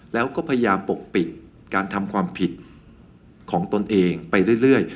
แล้วก็พยายามปกปิดการทำความผิดของตนเองไปเรื่อย